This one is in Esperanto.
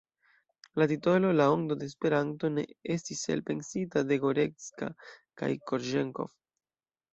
La titolo La Ondo de Esperanto ne estis elpensita de Gorecka kaj Korĵenkov.